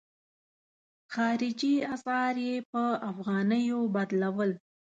خارجي اسعار یې په افغانیو بدلول.